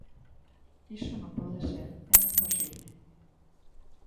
Iso non pode ser, é imposible.